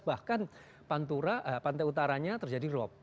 bahkan pantai utaranya terjadi rob